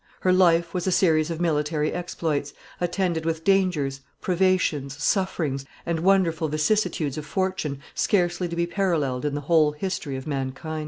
Her life was a series of military exploits, attended with dangers, privations, sufferings, and wonderful vicissitudes of fortune, scarcely to be paralleled in the whole history of mankind.